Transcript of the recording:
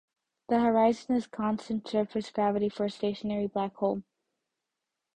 The horizon has constant surface gravity for a stationary black hole.